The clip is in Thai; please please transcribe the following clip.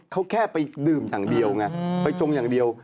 เขาแค่ไปดื่มอย่างเดียวไงไปจมอย่างเดียว